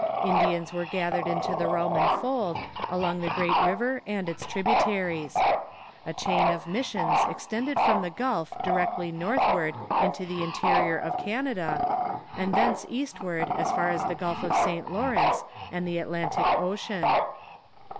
Indians were gathered into the Roman fold along the great river and its tributaries. A chain of missions extended from the gulf directly northward into the interior of Canada, and thence eastward as far as the Gulf of St. Law rence and the Atlantic Ocean.